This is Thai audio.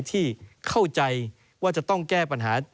ที่เข้าใจว่าจะต้องแก้ปัญหา